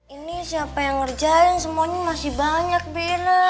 ini siapa yang ngerjain semuanya masih banyak bella